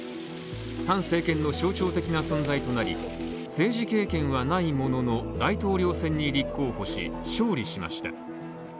反政権の象徴的な存在となり政治経験はないものの大統領選に立候補し勝利しました。